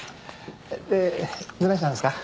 でどないしたんですか？